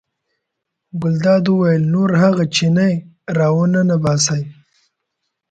ګلداد وویل نور هغه چینی را ونه ننباسئ.